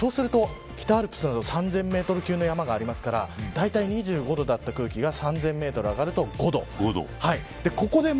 そうすると北アルプスの３０００メートル級の山がありますからだいたい２５度だった空気が３０００メートル上がると５度。